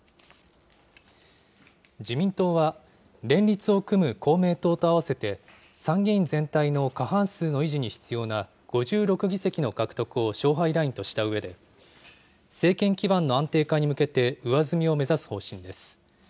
自民党は連立を組む公明党と合わせて、参議院全体の過半数の維持に必要な５６議席の獲得を勝敗ラインとしたうえで、政権基盤の安定化に向けて上積みを目指す方針です。